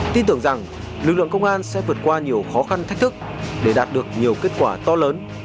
tin tưởng rằng lực lượng công an sẽ vượt qua nhiều khó khăn thách thức để đạt được nhiều kết quả to lớn